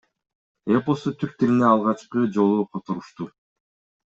Эпосту түрк тилине алгачкы жолу которушту.